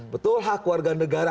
betul hak warga negara